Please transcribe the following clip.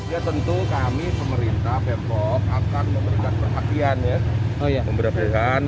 ya tentu kami pemerintah pemprov akan memberikan perhatian ya